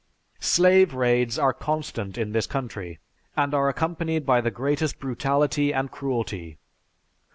Slave raids are constant in this country, and are accompanied by the greatest brutality and cruelty.